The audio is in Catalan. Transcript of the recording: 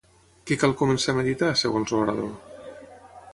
Què cal començar a meditar, segons l'orador?